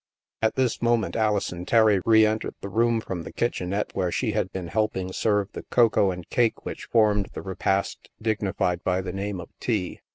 At this moment, Alison Terry reentered the room from the kitchenette where she had been help ing serve the cocoa and cake which formed the re past dignified by the name of " tea."